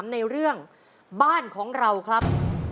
ยินดีถามเรื่องบ้านของเราครับ